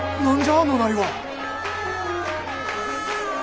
あのなりは。